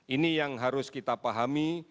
ini yang harus kita pahami